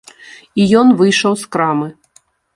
І ён выйшаў з крамы.